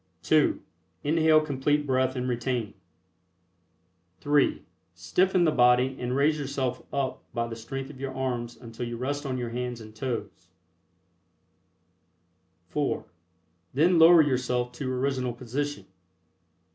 (2) Inhale Complete Breath and retain. (3) Stiffen the body and raise yourself up by the strength of your arms until you rest on your hands and toes (4) Then lower yourself to original position.